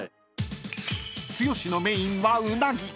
［剛のメインはうなぎ］